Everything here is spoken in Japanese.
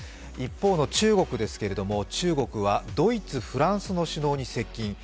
一方の中国ですけれども、中国はドイツ、フランスの首脳に接近。